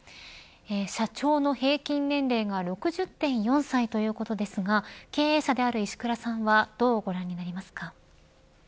社長の平均年齢が６０．４歳ということですが経営者である石倉さんはどうご覧になりますか。